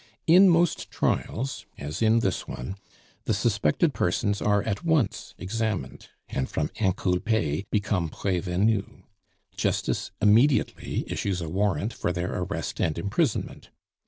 In most trials, as in this one, the suspected persons are at once examined (and from inculpes become prevenus); justice immediately issues a warrant for their arrest and imprisonment.